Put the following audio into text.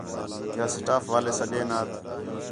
یا سٹاف والے سڈینات